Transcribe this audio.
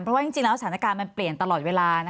เพราะว่าจริงแล้วสถานการณ์มันเปลี่ยนตลอดเวลา